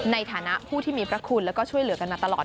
ในฐานะผู้ที่มีพระคุณแล้วก็ช่วยเหลือกันมาตลอด